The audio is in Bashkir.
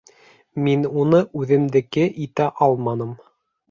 Мин уны үҙемдеке итә алманым.